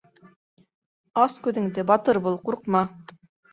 — Ас күҙенде, батыр бул, ҡурҡма!